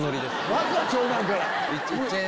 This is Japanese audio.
まずは長男から。